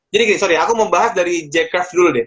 jadi gini sorry ya aku mau bahas dari j curve dulu deh